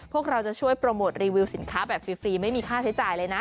พวกเราจะช่วยโปรโมทรีวิวสินค้าแบบฟรีไม่มีค่าใช้จ่ายเลยนะ